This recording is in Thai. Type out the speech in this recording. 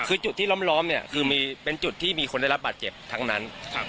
คือจุดที่ล้อมเนี่ยคือเป็นจุดที่มีคนได้รับบาดเจ็บทั้งนั้น